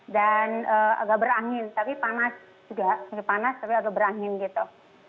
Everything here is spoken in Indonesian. dan agak berangin tapi panas juga panas tapi agak berangin gitu